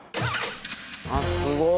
あっすごい。